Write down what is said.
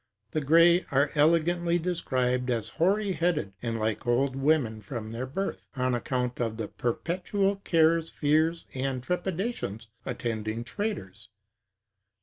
The Greæ are elegantly described as hoary headed, and like old women from their birth; on account of the perpetual cares, fears, and trepidations attending traitors.